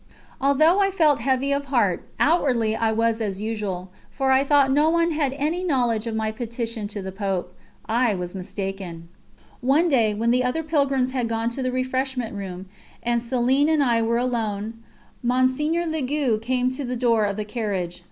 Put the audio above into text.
Although I felt heavy of heart, outwardly I was as usual, for I thought no one had any knowledge of my petition to the Pope. I was mistaken. One day, when the other pilgrims had gone to the refreshment room and Céline and I were alone, Mgr. Legoux came to the door of the carriage.